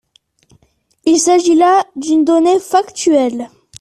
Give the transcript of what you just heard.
Il s’agit là d’une donnée factuelle.